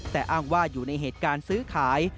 แต่อ้างว่าอยู่ในเหตุการณ์ซื้อขาย